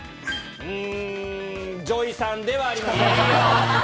ＪＯＹさんではありません。